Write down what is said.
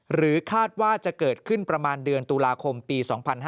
หรือคาดว่าจะเกิดขึ้นประมาณเดือนตุลาคมปี๒๕๕๙